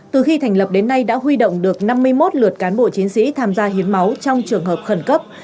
từ khi thành lập đến nay đã huy động được năm mươi một lượt cán bộ chiến sĩ tham gia hiến máu trong trường hợp khẩn cấp